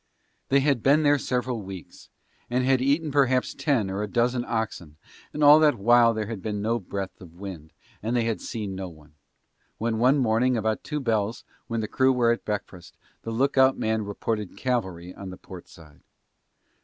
They had been there several weeks and had eaten perhaps ten or a dozen oxen and all that while there had been no breath of wind and they had seen no one: when one morning about two bells when the crew were at breakfast the lookout man reported cavalry on the port side.